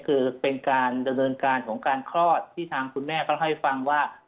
คือเป็นการดำเนินการของการคลอดที่ทางคุณแม่เขาเล่าให้ฟังว่า